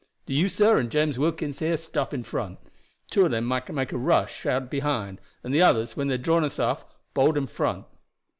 Do you, sir, and James Wilkins here, stop in front. Two of them might make a rush out behind, and the others, when they have drawn us off, bolt in front."